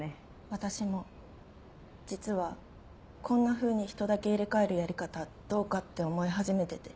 私も実はこんなふうに人だけ入れ替えるやり方どうかって思い始めてて。